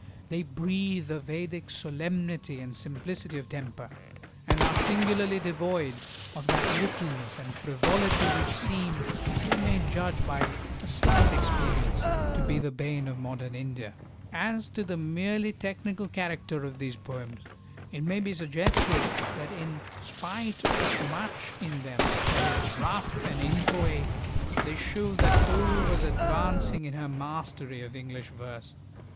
They breathe a Vedic solemnity and simplicity of temper, and are singularly devoid of that littleness and frivolity which seem, if we may judge by a slight experience, to be the bane of modern India. As to the merely technical character of these poems, it may be suggested that in spite of much in them that is rough and inchoate, they show that Toru was advancing in her mastery of English verse.